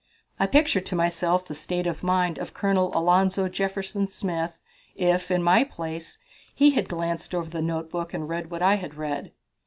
I pictured to myself the state of mind of Colonel Alonzo Jefferson Smith if, in my place, he had glanced over the notebook and read what I had read.